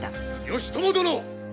義朝殿！